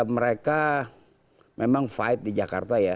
mereka memang fight di jakarta ya